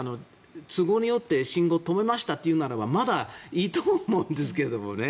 都合によって信号を止めましたというならまだいいと思うんですけどね。